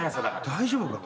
大丈夫か？